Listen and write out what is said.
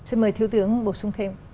xin mời thiếu tướng bổ sung thêm